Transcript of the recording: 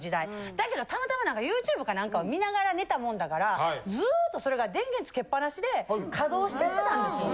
だけどたまたまＹｏｕＴｕｂｅか何かを見ながら寝たもんだからずっとそれが電源つけっぱなしで稼働しちゃってたんですよ。